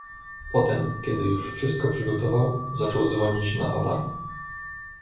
"Potem kiedy już wszystko przygotował, zaczął dzwonić na alarm."